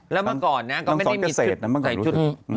แล้วเมื่อก่อนนะก็ไม่ได้มีคุณ